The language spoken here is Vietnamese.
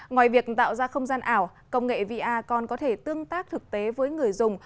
ngoài việc tạo ra không gian ảo công nghệ vr còn có thể tương tác thực tế với người dùng